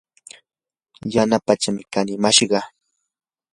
yana pachkam kanimashqa.